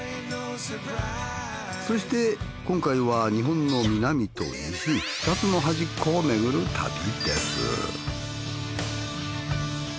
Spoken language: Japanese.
そして今回は日本の南と西２つの端っこをめぐる旅です。